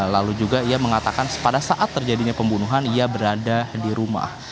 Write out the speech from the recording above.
lalu juga ia mengatakan pada saat terjadinya pembunuhan ia berada di rumah